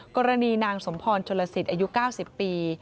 กรณีนางสมพรชนลสิทธิ์อายุ๙๐ปี